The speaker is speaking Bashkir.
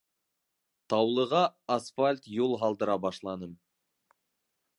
Таулыға асфальт юл һалдыра башланым.